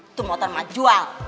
itu motor mak jual